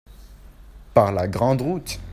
par la grande route.